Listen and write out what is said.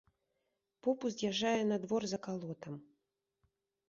Поп уз'язджае на двор з акалотам.